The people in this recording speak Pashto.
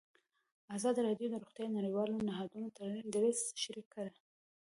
ازادي راډیو د روغتیا د نړیوالو نهادونو دریځ شریک کړی.